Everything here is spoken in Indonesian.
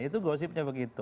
itu gosipnya begitu